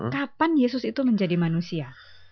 kapan yesus itu menjadi manusia